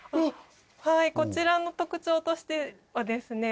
はいこちらの特徴としてはですね